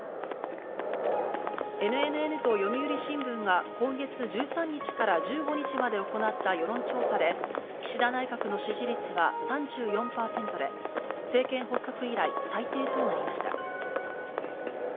ＮＮＮと読売新聞が今月１３日から１５日まで行った世論調査で、岸田内閣の支持率は３４％で、政権発足以来最低となりました。